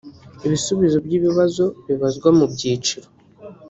Ibisubizo by’ibibazo bibazwa mu byiciro